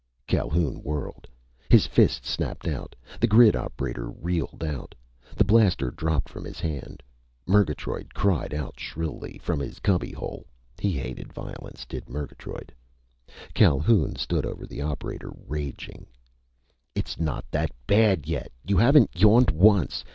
Calhoun whirled. His fist snapped out. The grid operator reeled out. The blaster dropped from his hand. Murgatroyd cried out shrilly, from his cubbyhole. He hated violence, did Murgatroyd. Calhoun stood over the operator, raging: "It's not that bad yet! You haven't yawned once!